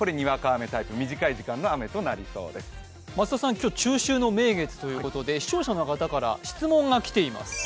今日、中秋の名月ということで視聴者の方から質問が来ています。